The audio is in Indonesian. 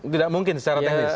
tidak mungkin secara teknis